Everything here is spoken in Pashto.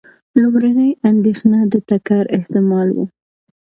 لومړنۍ اندېښنه د ټکر احتمال و.